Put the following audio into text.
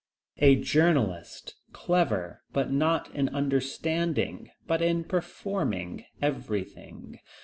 A "journalist," clever, not only in understanding, but in performing everything.